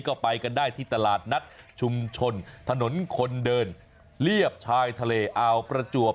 ก็ไปกันได้ที่ตลาดนัดชุมชนถนนคนเดินเรียบชายทะเลอาวประจวบ